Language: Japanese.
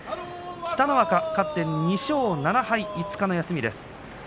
北の若が勝って２勝７敗５日の休み。